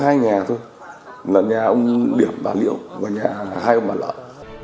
hai nhà thôi là nhà ông điểm bà liễu và nhà hai ông bà lợi